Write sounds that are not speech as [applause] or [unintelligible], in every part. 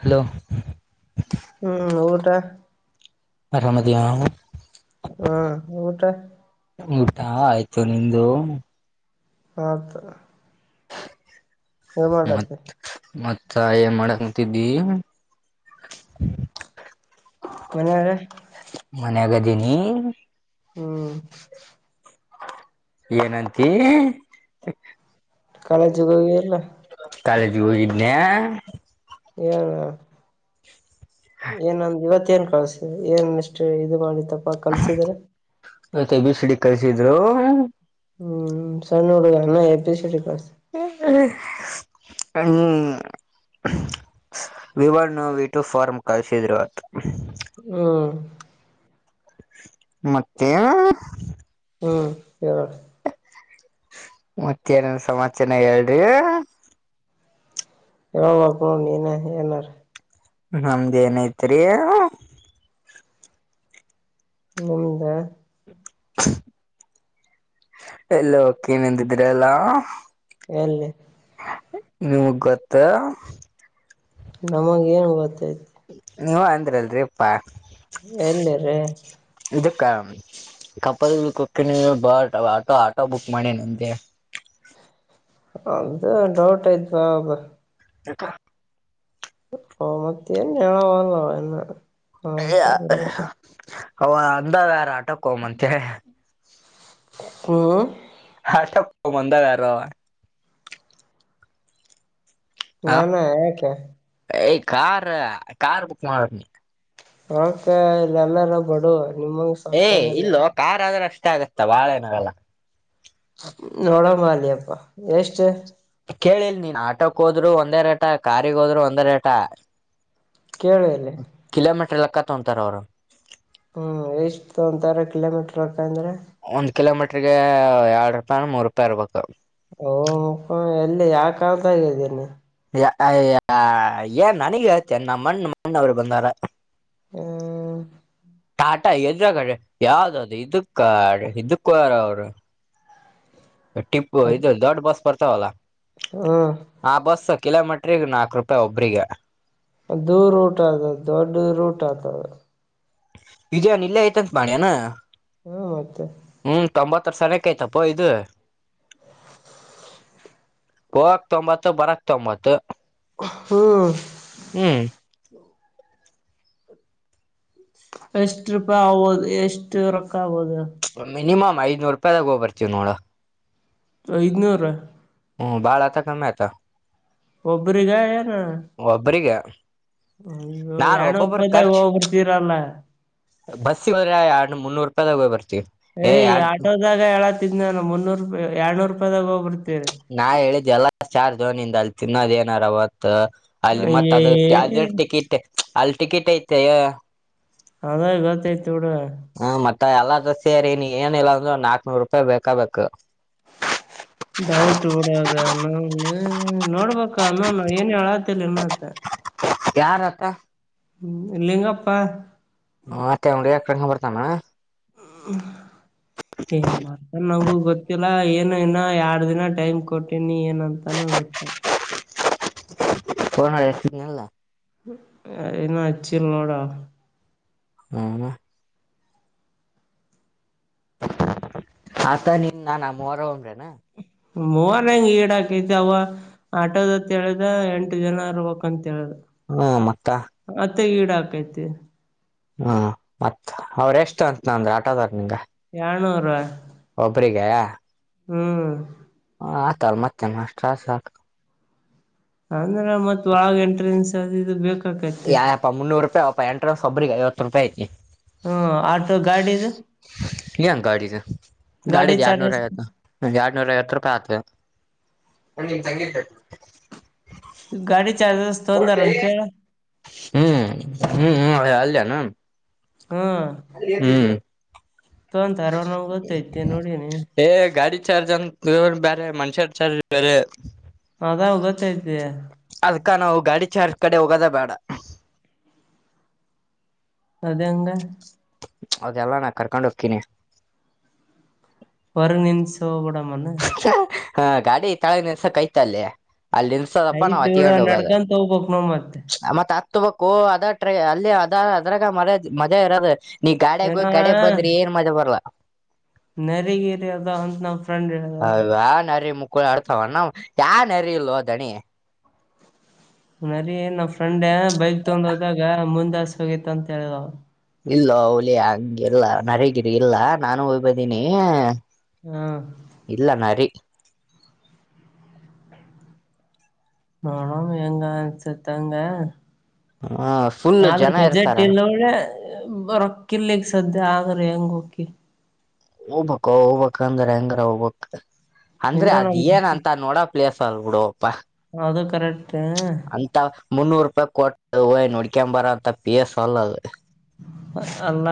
Hello ಹ್ಮ ಊಟಾ ಅರಾಮದಿಯಾ ಹ್ಮ ಊಟಾ ಊಟಾ ಆಯ್ತು ನಿಂದು ಆತ. ಏನ್ ಮಾಡತಿ ಮತ್ತ. ಮತ್ತ ಏನ್ ಮಾಡಕ್ತುತಿದ್ದಿ ಮನಿಯವ್ರ ಮನ್ಯಾಗದೀನಿ. ಹ್ಮ್. ಏನಂತಿ. ಕಾಲೇಜೋದಾಗ ಇರಲ್ಲ. ಕಾಲೇಜಿಗೆ ಹೋಗಿದ್ನ್ಯ. ಏನ ಏನಂದ್ದ ಇವತ್ ಮತ್ತೇನ್ ಕಳ್ಸಿದ್ರಿ ಏನ್ ಮೇಸ್ಟ್ರು ಇದು ಮಾಡಿ ತಪ್ಪಾ ಕಲ್ಸಿದ್ರ. ಇವತ್ ಏ ಬಿ ಸಿ ಡಿ ಕಲ್ಸಿದ್ರು. ಹ್ಮ್ ಸಣ್ ಹುಡುಗ ಇನ್ನೂ ಏ ಬಿ ಸಿ ಡಿ ಕಲ್ಸಿದ್ರು. ಅಮ್ V one V two form ಕಲಿಸಿದ್ರಿವತ್ತು. ಹ್ಮ್ ಮತ್ತೆ. ಹ್ಮ್ ಹೇಳ. ಮತ್ತ ಏನನ್ ಸಮಾಚಾರ ಹೇಳ್ರಿ. ಹೂ ಹೂ ನೀನೇ ಏನಾರ. ನಮ್ದ್ ಏನೈತ್ರಿ. ನಿಮ್ದ ಎಲ್ಲೊ ಕೇನಂದಿದ್ರಲ್ಲ. ಎಲ್ಲಿ. ನಿಮಗ್ ಗೊತ್. ನಮಗ್ ಏನು ಗೊತ್ತೈತೆ. ನೀವ ಅಂದ್ರಲ್ರಿಪ್ಪಾ. ಎಲ್ಲಿ ರೀ. ಇದಕ್ಕ ಕಪ್ಪಲ್ ಕೊಕ್ಕಿನ ಬ ಆಟೋ ಆಟೋ ಬುಕ್ ಮಾಡಿ ನಂಗೆ. ಅದು ಡೌಟ್ ಆಯ್ತು ಹೌದು. ಯಾಕ. ಆ ಮತ್ ಏನ್ ಹೇಳೋದು ಏನ. ಅಯ್ಯ ಅವ ಅಂದ ವ್ಯಾರ ಆಟಕ್ಕೆೋಮಂತೆ. ಮ್ಮ್. [unintelligible] ಬಂದ [unintelligible] ನಾನಾ ಯಾಕೆ. ಏಯ್ ಕಾರ್ ಕಾರ್ ಬುಕ್ ಮಾಡ್. ಓಕೆ ಇಲ್ ಎಲ್ಲಾರ ಬಡವರು ನಿಮ್ಮಂಗ ಏ ಸಾಕಾರ ಇಲ್ಲ ಇಲ್ಲೋ ಕಾರ್ ಆದ್ರೂ ಅಷ್ಟೇ ಆಗತ್ತಾ ಬಾಳ ಏನಾಗಲ್ಲ. ನೋಡೋಮಾ ಅಲಿಯಪ್ಪಾ ಎಷ್ಟು. ಕೇಳಿಲ್ ನೀನ್ ಆಟೋಕ್ ಹೋದ್ರು ಒಂದೇ ರೇಟಾ ಕಾರಿಗ್ ಹೋದ್ರು ಒಂದೇ ರೇಟಾ. ಕೇಳಲೆ. ಕಿಲೋಮೀಟರ್ ಲೆಕ್ಕ ತಗೊಂತಾರ್ ಅವರು. ಹ್ಮ್ ಎಷ್ಟು ತಗೊಂತಾರೆ ಕಿಲೋಮೀಟರ್ ಲೆಕ್ಕ ಅಂದ್ರೆ. ಒಂದ್ ಕಿಲೋಮೀಟರ್ ಗೆ ಎರಡ್ ರೂಪಾಯಿನೋ ಮೂರು ರೂಪಾಯಿ ಇರ್ಬೇಕು. ಓಪ್ಪ ಎಲ್ಲಿ ಯಾವ್ ಕಾಲ್ದಾಗ್ ಇದ್ದಿ ನೀ. ಏ ಅಯ್ಯ ಆ ಏನ್ ನನಗ್ ಹೇಳ್ತಿ ಏನ್ ನಮ್ ಅಣ್ಣ ನಮ್ ಅಣ್ಣವ್ರ ಬಂದಾರ. ಹ್ಮ್. ಟಾಟಾ ಎದ್ರ ಗಾಡಿ ಯಾವ್ದ ಅದು ಇದಕ್ಕ ಕಡೆ ಇದಕ್ಕರ ಅವರು ಟಿಪ್ಪು ಇದು ದೊಡ್ಡ ಬಸ್ ಬರ್ತಾವಲ್ಲಾ ಹ್ಮ ಆ ಬಸ್ಸ ಕಿಲೋಮೀಟ್ರಗ್ ನಾಲ್ಕು ರೂಪಾಯಿ ಒಬ್ರಿಗೆ ದದು ರೂಟ್ ಆಗ್ತದೆ ದೊಡ್ಡ ರೂಟ್ ಆಗ್ತದೆ ಇದನ್ ಇಲ್ಲೇ ಆಯ್ತ ಅತ್ ಮಾಡಿ ಅನಾ ಹ್ಮ ಮತ್ತೆ ಹ್ಮ್ ತೊಂಬತ್ತ ವರ್ ಸನಕ್ಕೆ ಆಯ್ತಪ್ಪ ಇದು ಹೋಗಕ್ ತೊಂಬತ್ತು ಬರಕ್ ತೊಂಬತ್ತು ಹ್ಮಂ ಹ್ಮ್ ಎಷ್ಟ ರೂಪಾಯಿ ಆಗ್ಬೋದು ಎಷ್ಟು ರೊಕ್ಕ ಆಗ್ಬೋದು ಮಿನಿಮ್ ಐದನೂರು ರೂಪಾಯಿಾಗ ಹೋಗಿ ಬರ್ತೀ ನೋಡ ಐದನೂರ ಹ್ಮ್ ಬಾಳ ಆತ ಕಮ್ಮಿ ಆಯತಾ ಒಬ್ಬ್ರಗ ಏನ ಒಬ್ಬ್ರಿಗೆ ಯ್ಯೋ ಎಏಡ್ನೂರು ರೂಪಾಯ್ದಾಗ ಖರ್ಚ್ ಹೋಗ್ಬಿರ್ತೀರಲ್ಲ ಬಸ್ಸಿಗೆ ಹದ್ರೆ ಎರಡು ಮುನ್ನೂರು ರೂಪಾಯಿದಾಗ ಬರ್ತಿವಿ ಯ್ ಆಟೋದಾಗ ಹೇಳಾತಿದ್ ನಾನು ಮುನ್ನೂರು ರೂಪಾಯಿ ಎರ್ಡುನೂರು ರೂಪಾಯದಾಗ ಹೋಗ್ಬಿರ್ತರಿ ನಾ ಹೇಳಿದ್ದ್ ಎಲ್ಲ ಚಾರ್ ಝೋನಿಂದ ಅಲ್ಲಿ ತಿನ್ನೋದ್ ಏನಾರ ಅವತ್ ಅಲ್ಲಿ ಮತ್ತತ್ ಅದ ಏ ಅದ್ರ ಟಿಕೆಟ್ ಅಲ್ಲಿ ಟಿಕೆಟ್ ಐತೆ ಅದ ಗೊತ್ತೈ್ತ ೋಡ ಹ್ಮ ಮತ್ತ ಎಲ್ಲ ಸೇ ರರಿ ನೀ ಏನಿಲ್ಲಾ ಅಂದ್ರ ಒ ನಾಕ್ ನೂರು ರೂಪಾಯಿ ಬೇಕ ಬಬೇಕು ಡೌಟ್ ಬಿಡೋದ ನ ನೋಡ್ಬ ನ ಏನ್ ಹೇಳತಿಲಿನ್ನುತ್ತ ಯ ರತಾ ಲಿಂಗಪ್ಪ ಹ್ತ್ತೆ ಮತ್ತೆ ಹೊಡೆಯೋಕೆ ಕರ್ಕೊಂಡು ಬರ್ತಾನ ಹ ಏ ಮಾಡ್ತಾನ ನಂಗಗು ಗೊತ್ತಿಲ್ಲ ಏನು ಇನ್ನ ಎರಡ್ ದಿನ ಟೈಮ್ ಕೊಟ್ಟಿನಿ ಏನಂತಾನ ಗೊತ್ತ ಫೋನ್ ಮಾಡಿ ಹರ್ತನಲ್ಲ ನ ಹಚ್ಚಿಲ್ಲ ನೋಡಾ ಅವ ಹಾ ಆತ ನಿನ್ ನನ್ಮ್ಮರಂದ್ರೇನಾ ಮೋರಂಗ ಈಏಡಾ ಕೆತವಾ ಆಟೋದತ್ ಹೇಳ್ದ ಎಂಟು ಜನರ್ಬಕ್ ಅಂತ ಹೇಳ್ದ ಹಾ ಮತ್ತ ಮತ್ತ ಗೀಡ ಹಾಕೈತಿ ಹ್ಮ ಮತ್ ಅವ್ರ ಎಷ್ಟು ಅಂತ ನಂದ್ರೆ ಆಟದಾರ್ ನಿಂಗ ಎರಡು ನೂರ ಒಬ್ರಿಗೆ ಹ್ಮ್ ಹ ಆಯತಲ್ ಮತ್ತೆ ಮ ಅಷ್ಟ ಅಂದ್ರ ಮತ್ ಒಳಗ ಎಂಟ್ರೆನ್ಸ್ ಅದುದು ಬೇಕು ಯಪ್ಪ ಮುನ್ನೂರು ರೂಪಾಯಿ ಅಪ್ಪಾ ಎಂಟರ ಒಬ್ರಿಗೆ ಐವತ್ತು ರೂಪಾಯಿ ಐತಿ ಹ್ಮ ಆಟೋ ಗಾಡಿದು. ಯ ಗಾಡಿ ಗಾಡಿ ದ ಎರಡನೂರು ಐವತ್ತ. ಎರಡ್ನೂರ ಐವತ್ತು ರೂಪಾಯಿ ಹಾಕಿದೆ........ ಗಾಡಿ ಚಾಜ್ರಸ್. ಕೂಡಲೇ........ ಹ್ಮ್ ಹ್ಮ್ ಹ್ಮ್ ಅಲ್ಲಿನು. ಹ್ಮ್... ಹ್ಮ.. ತೊಂತರ್ವಾ ನಮಗೆ ಗೊತ್ತೈತಿ ನೋಡನಿ. ಏ ಗಾಡಿ ಚಾರ್ಜ್ ಅಂತ ಬೇರೆ ಮನ್ಷ್ಯ ಚಾರ್ಜ್ ಬೇರೆ. ಅದಾ ಗೊತ್ತೈತಯಾ. ಅದ್ಕ ನಾವು ಗಾಡಿ ಚಜ್ರ ಕಡೆ ಹೋಗೋದ ಬೇಡ. ಅದಂಗ. ಅದೆಲ್ಲಾ ನಾ ಕರ್ಕೊಂಡ್ ಹೋಗ್ತೀನಿ. ಹೊರ್ ನಿಮಿಸ ಬಿಡ ಅನ್ನ. ಹ ಗಾಡಿ ತಾಳಗನ್ಸ ಕೈತಲ್ಲೆ ಅಲ್ಲಿನ್. ಸದಪ್ಪ ಐತ್ ನಾವ್ ಬಿಡ ಹತ್ತಗೊಂಡು ಹೋಗೋದ ನಡ್ಕಂತ ಹೋಗ್ಬಕ್ ನಾವ್ ಮತ್ತೆ ಮತ್ತ. ಹತುಂಬಕೋ ಅದ ಟ್ರ ಅಲ್ಲಿ ಅದ ಅದ್ರಾಗ ಮ ಮಜಾ ಇರದು. ನೀ ಗಾಡಾಗ ಏನ ಹೋಗಿ ಗಾಡೆಗ್ ಬಂದ್ರಿ ಏನ್ ಮಜಾ ಬರಲ್ಲಾ. ನರಗೆರಿ ಅದ ಅಂತ ನಾವು. ಅಯ ಯ ನರಿ ಮುಕ್ಕಳ ಆಡ್ತವ ನ ಯಾವ ನರಿ ಇಲ್ವ ಅ ದಣಿ. ನರಿ ನಮ್ಮ ಫ್ರೆಂಡ ಬೈಕ್ ತೊಗೊಂಡ ಹೋದಾಗ ಮುಂದಸ್ ಹೋಗಿತ್ತ ಅಂತ ಹೇಳಿದ್ನವ. ಇಲ್ಲ ಹುಲಿ ಹಂಗೆಲ್ಲಾ ನರಗಿರಿ ಇಲ್ಲ ನಾನು ಹೋಗ್ಬದೀನಿ. ಹ್ಮ ಇಲ್ಲ ನರಿ. ನೋಡಣ ಹೆಂಗ ಅನ್ನಸತಂಗ ಹಂಗ. ಹ. ಫುಲ್ ಆದ್ರೆ ಜನ ಬಜೆಟ್ ಇರ್ತಾರ ಇಲ್ಲವಳೆ ರೊಕ್ಕ ಇಲ್ಲಿಕ್ ಸದ್ಯ ಆದ್ರೆ ಹೆಂಗ ಹಕಿ. ಹೋಗ್ಬ ಹೋಗ್ಬೇಕ ಅಂದ್ರ ಹೆಂಗ್ರ ಹೋಗ್ಬಕ್ ಇನ್ನ ಅಂದ್ರೆ ಅದಏನ್ ನಮ್ ಅಂತ ನೋಡಕ್. ಪ್ಲೇಸಬಿಡುಪ್ಪಾ. ಅದು ಕರೆಕ್ಟ್. ಅಂತ ಮುನ್ನೂರು ರೂಪಾಯಿ ಕೊಟ್ಟ ಹಯ್ ನಡ್ಕ ಬರಂತ ಪೇಲಸ ಅಲ್ದು. ಅಲ್ಲ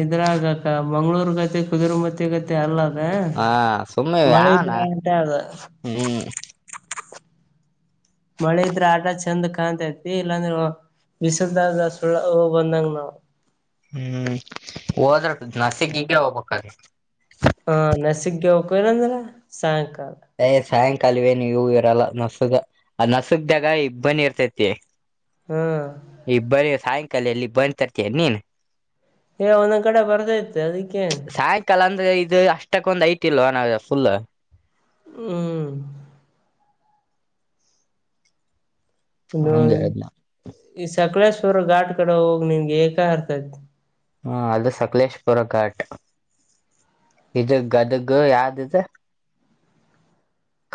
ಇದ್ರಗಕ್ಕ ಮಂಗ್ಳೂರ್ಗತೆ ಕುದುರ್ಮತಿಗತೆ. ಮ ಅಲ್ಲ ಅದ ಹಾ ಸುಮ್ಮನೆ ಮಳೆ ಯಾವನ ಇದ್ರ ಅಂತ ಹೇಳ್ದ. ಹ್ಮ್ ಮಳೆ ಇದ್ರೆ ಆಟ ಚಂದ ಕಾಣ್ತೈತಿ ಇಲ್ಲಾಂದ್ರೆ ಬಿಸಲ್ದಾಗ ಸುಳ್ಳ ಬಂದಂಗ ನಾವು. ಹ್ಮ್ ಹೋದ್ರ ನಸಕ್ಗ ಹೋಗ್ಬೇಕಾದ್ರೆ. ಹಾ ನೆಸಗ್ಗೆ ಹೋಗಕದಂದ್ರ ಸಾಯಂಕಾಲ. ಯ್ ಸಾಯಂಕಾಲವೇ ನೀ ಇವು ಇರಲ್ಲ ನಸುಗ. ಅದ್ ನಸುಗ್ದಾಗ ಇಬ್ಬನಿ ಇರ್ತೈತಿ. ಹ್ಮ್. ಇಂಬನಿ ಸಾಯಂಕಾಲ ಎಲ್ಲಿ ಇಂಬನಿ ತರ್ತೀಯ ನೀನ್. ಹೇ ಒಂದೊಂದು ಕಡೆ ಬರ್ದೈತೆ ಅದಕ್ಕೇನು. ಸಾಯಂಕಾಲ ಅಂದ್ರೆ ಇದು ಅಷ್ಟಕ್ಕೊಂದ್ ಐತ್ ಇಲ್ವನ ಫುಲ್. ಹ್ಮ್. ಇ ಹಂಗ ಹೇಳಿದ್ನ ಈ ಸಕಳೇಶ್ವರ ಘಾಟ್ ಕಡೆ ಹೋಗಿ ನಿನ್ಗೆ ಏಕ ಅರ್ತೈತಿ. ಹ್ಮ ಅದು ಸಕಲೇಶ್ಪುರ ಘಾಟ್. ಇದು ಗದಗ ಯಾವ್ದ ಇದು.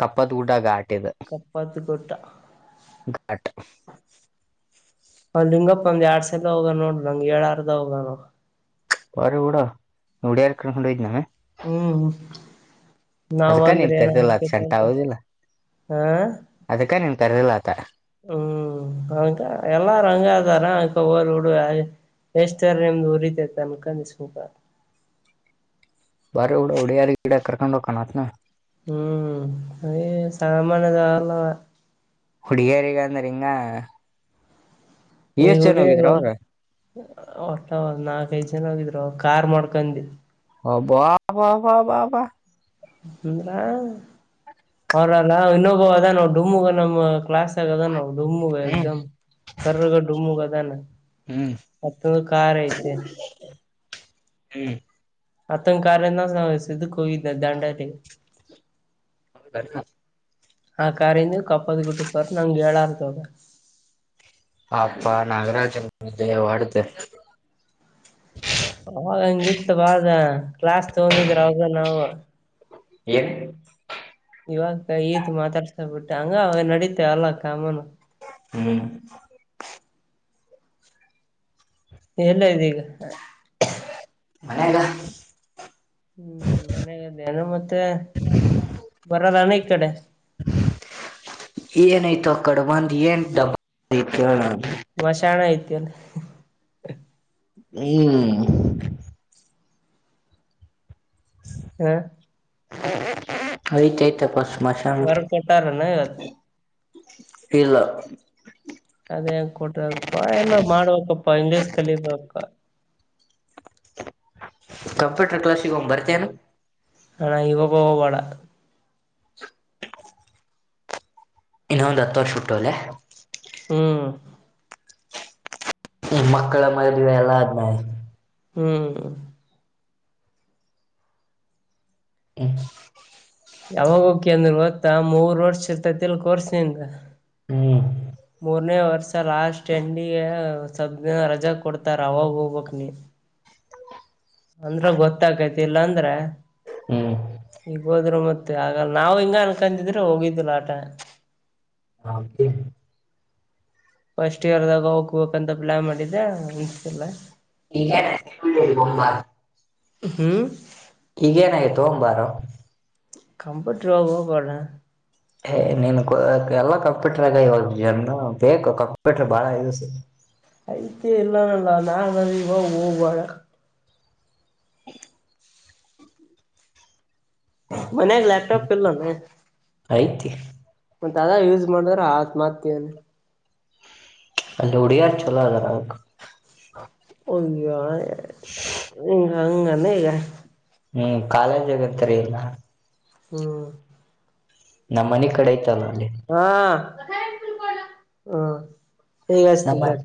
ಕಪ್ಪತ್ ಗುಡ್ಡ ಘಾಟ ಇದ ಕಪ್ಪಾತ್ ಗುಡ್ಡ. ಘಾಟ್ ಅ ಲಿಂಗಪ್ಪ ಒಂದ್ ಎರಡ್ ಸಲ ಹೋಗ ನೋಡು ನನಗೆ ಹೇಳರದೇ ಹೋಗನಾ ಅವ. [unintelligible] ಹ್ಮ್ ನಾವ ಅದಕ್ಕ ಅಂದ್ರೆ ನೀನ್ ಏನ ಕರ್ದಿಲ್ಲ ಅತ್ ಸೆಂಟ ಹೌದಿಲ್ಲ [unintelligible] ಅದಕ್ಕ ನೀನ್ ತರದಿಲ್ಲ ಆತ. ಹ್ಮ್ ಎಲ್ಲರೂ ಹಾಗೆ ಆದರ [unintelligible] ಎಷ್ಟು ಆದ್ರೂ ನಿಮ್ದುಊರಿತೆತನ್ಕಂದು ಸುಮ್ನೆ ಅದೇ. ಬಾರಿ ಊಡ ಒಡ ಯಾರ ಗಿಡ ಕರ್ಕೊಂಡ ಹೋಗಕೋನತ. ಹ್ಮ್ ಹೇ ಸಮನೆದವನು ಅಲ್ಲ ಅವ್. ಹುಡುಗಿಯರಿಗ ಅಂದ್ರ ಹಿಂಗ. ಎಷ್ಟ್ ಜನ ಈಡಿ [unintelligible] ಹೋಗಿದ್ರ ಅವ್ರ ನಾಲ್ಕ ಐದು ಜನೋಗಿದ್ರು ಕಾರ್ ಮಾಡ್ಕೊಂಡಿ. ಅಬ್ಬಾ ಅಬ್ಬಬ್ಬಾ. ಸುಂದ್ರ ಅವ್ರಲ್ಲ ಇನ್ನೊಬ ಅದ ನಾವು ಡಮುಗ ನಮ್ಮ್ ಕ್ಲಾಸ್ ಆಗ ಅದ ನಾವು ಡಮುಗ ಹ್ಮ್ ಎಕ್ದಮ್. ಕರ್ರಗ ಡಮ್ಮುಗ ಅದಾನ ಹ್ಮ್ ಮತ್ತೊಂದು ಕಾರ್ ಐತೆ. ಹ್ಮ್ ಮತ್ತನ್ ಕಾರ್ಯಿಂದ ಇದು ಹೋಗಿದ್ದ ದಾಂಡೇಲಿ [unintelligible] ಆ ಕಾರಿಂದ [unintelligible] ಗಿಟ್ಟ ಬರ್ ನಂಗಗೆ ಹೇಳಾರ. ಹಪ್ಪ ನಾಗರಾಜನ [unintelligible] ಹೊಡೆದು ಅವಾಗ ಹಂಗಿತ್ತು ಬಾದ ಕ್ಲಾಸ್ ತಗೊಂಡಿದ್ರ ಅವಾಗ ನಾವು. ಏನು ಇವಾಗ ಈತ್ ಮಾತಾಡ್ಸಾ ಬಿಟ್ಟ ಹಂಗ ಅವಾಗ ನಡೀತೇ ಅಲ್ಲ ಕಾಮನು. ಹ್ಮ್ ಎಲ್ಲ ಆದಿ ಈಗ. ಮನೆಗ. ಹ್ಮ್ ಮನೆದೇನು ಮತ್ತೆ ಬರಲ್ಲಣ ಈ ಕಡೆ. ಏನಾಯ್ತೋ ಈಕಡೆ [unintelligible] ವಶಾಣ ಐತಿ ಅಲ್ಲಿ ಹ್ಮ್ ಹ ಆಯ್ತ್ ಆಯ್ತಪ್ಪ ಸ್ಮಶಾನ. ಹೊರಗ್ ಕೊಟ್ಟಾರನ ಇವತ್ ಇಲ್ಲ ಅದ ಹೆಂಗ ಕೊಟ್ರ ಅಪ್ಪಾ ಏನ ಮಾಡ್ಬೇಕಪ್ಪಾ ಇಂಗ್ಲೀಷ್ ಕಲಿಬೇಕು ಕಂಪ್ಯೂಟರ್ ಕ್ಲಾಸಿಗೆಗೋಗ್ ಬರ್ತೇನು. ಅಣ್ಣ ಈವಾಗ ಹೋಗಬೇಡ ಇನ್ನೊ ಒಂದು ಹತ್ತು ವರ್ಷ ಬಿಟ್ಟು ಹೊಯ್ಲೆ. ಹ್ಮ್ ಮಕ್ಕಳ ಮದ್ವೆ ಎಲ್ಲಾ ಆದ್ಮೇಲೆ ಹ್ಮ್ ಹ್ಮ ಯಾವಾಗೋಕಿ ಅಂದ್ರೆ ಗೊತ್ತಾ ಮೂರ್ ವರ್ಷ ಇರ್ತೈತಿಲ್ ಕೋರ್ಸ ನಿಂದು ಹ್ಮ್ ಮೂರ್ನೇ ವರ್ಷ ಲಾಸ್ಟ್ ಹೆಂಡಿಗೆ ಸದ ರಜಾ ಕೊಡ್ತಾರ ಅವಾಗ ಹೋಗ್ಬಕ್ ನೀ ಅಂದ್ರ ಗೊತ್ತಾಗೈತಿಲ್ಲಾಂದ್ರ ಹ್ಮ್ ಈಗ್ ಹೋದ್ರು ಮತ್ತೆ ಆಗ ನಾವ್ ಹಿಂಗ ಅನ್ಕೊಂಡಿದ್ರ ಹೋಗಿದಿಲ್ಲ ಆಟ ಹಾ ಫಸ್ಟ್ ಇಯರ್ದಾಗ ಹೋಗಬೇಕಂತ ಪ್ಲಾನ್ ಮಾಡಿದ್ದೆ ಅನ್ಸತಿಲ್ಲ ಈ ಗೊಂಬ ಹ್ಮ್ ಈಗೇನಾಗಿತ್ತುು ಒಂಬಾರು ಕಂಪ್ಯೂಟರ್ೋಗಬಡ ಏ ನೀನು ಎಲ್ಲ ಕಂಪ್ಯೂಟರ್ಗ ಇವಾಗ ಜನ್ ಬೇಕು ಕಂಪ್ಯೂಟರ್ ಬಾಳ ಯೂಸ್ ಐತಿ ಎಲ್ಲನಲ್ಲ ನಾ ನ ಇವಾಗ ಹೋಗ್ುವಳ ಹ ಮನೆಗೆ ಲಪಟಾಪ್ ಇಲ್ಲ ಆಯತಿ ಮತ್ತತ್ ಅದ ಯೂಸ್ ಮಾಡಿದ್ರ ಆತ್ ಮಾಡ್ತವನೆ ಅಲ್ಲಿ ಉಡಿಯಾರ್ ಚೊಲೋ ಅದ ನ ಅವ ಒಯಾ ಹ ಹಂಗ ಈಗ ಹ್ಮ್ ಕಾಲೇಜ್ ಆಗತ್ತರಿ ಇಲ್ಲ ಹ್ಮ್ ನಮ್ಮ ಮನೆ ಕಡೆ ಆಯ್ತಲ್ಲ ಅಲ್ಲಿ ಹಾ ಹ್ಮ ಈಗಷ್ಟೆನ್ ನಮ್ಮ ತಡೆ